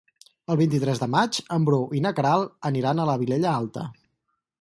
El vint-i-tres de maig en Bru i na Queralt aniran a la Vilella Alta.